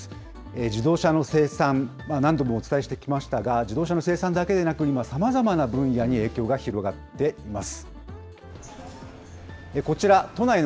自動車の生産、何度もお伝えしてきましたが、自動車の生産だけでなく、今、さまざまな分野に影響が広がっています。